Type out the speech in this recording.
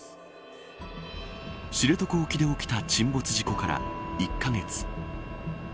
知床沖で起きた沈没事故から１カ月。